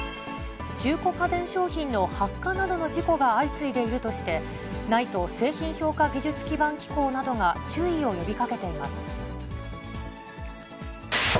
中古家電商品の発火などの事故が相次いでいるとして、ＮＩＴＥ・製品評価技術基盤機構などが注意を呼びかけています。